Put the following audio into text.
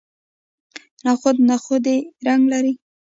نخود نخودي رنګ لري.